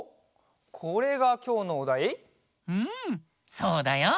そうだよ。